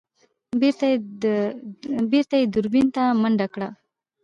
بېرته يې دوربين ته منډه کړه.